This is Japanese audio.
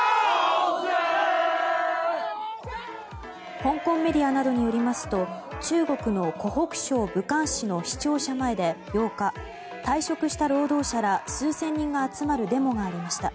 香港メディアなどによりますと中国・湖北省武漢市の市庁舎前で８日退職した労働者ら数千人が集まるデモがありました。